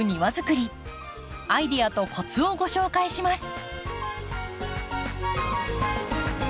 アイデアとコツをご紹介します。